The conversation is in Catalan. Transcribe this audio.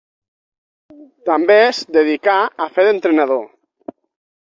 També s dedicà a fer d'entrenador.